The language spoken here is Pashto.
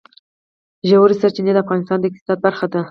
ژورې سرچینې د افغانستان د اقتصاد برخه ده.